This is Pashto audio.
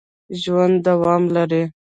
ژوند دوام لري